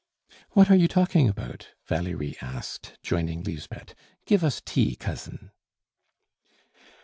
"What are you talking about?" Valerie asked, joining Lisbeth. "Give us tea, Cousin."